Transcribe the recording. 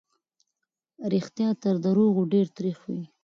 رښتيا تر دروغو ډېر تريخ وي.